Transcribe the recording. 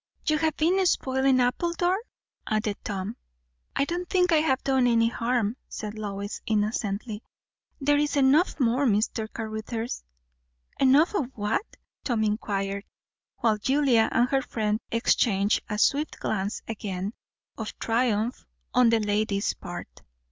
"You have been spoiling Appledore?" added Tom. "I don't think I have done any harm," said Lois innocently. "There is enough more, Mr. Caruthers." "Enough of what?" Tom inquired, while Julia and her friend exchanged a swift glance again, of triumph on the lady's part.